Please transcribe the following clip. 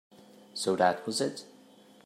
So that was it.